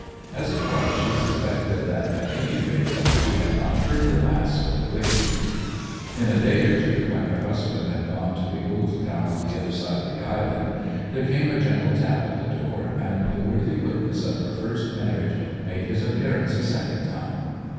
As it was, she suspected that at any rate she had not heard the last of the glazier. In a day or two, when her husband had gone to the old town on the other side of the island, there came a gentle tap at the door, and the worthy witness of her first marriage made his appearance a second time.